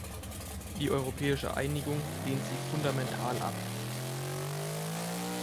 Die europäische Einigung lehnt sie fundamental ab.